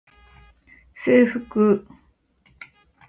制服